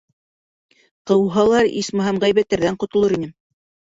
Ҡыуһалар, исмаһам, ғәйбәттәрҙән ҡотолор инем.